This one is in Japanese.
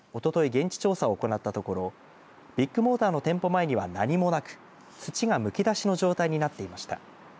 現地調査を行ったところビッグモーターの店舗前には何もなく土がむき出しの状態になっていました。